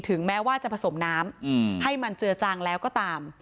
แม้ว่าจะผสมน้ำให้มันเจือจางแล้วก็ตาม